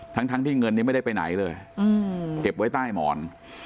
ทั้งที่เงินนี้ไม่ได้ไปไหนเลยเก็บไว้ใต้หมอน